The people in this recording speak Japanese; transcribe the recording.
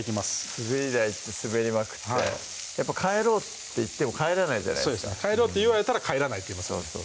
滑り台行って滑りまくってやっぱ「帰ろう」って言っても帰らないじゃないですか「帰ろう」って言われたら「帰らない」って言いますよね